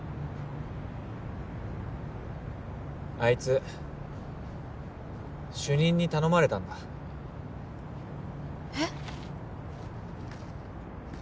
あいつ主任に頼まれたんだえっ？